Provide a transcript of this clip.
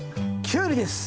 キュウリです！